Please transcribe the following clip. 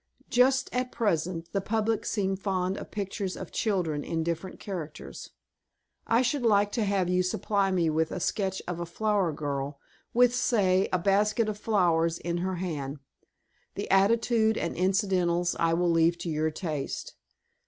Just at present, the public seem fond of pictures of children in different characters. I should like to have you supply me with a sketch of a flower girl, with, say, a basket of flowers in her hand. The attitude and incidentals I will leave to your taste.